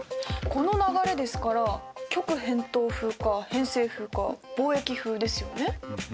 この流れですから極偏東風か偏西風か貿易風ですよね。